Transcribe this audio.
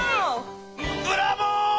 ブラボー！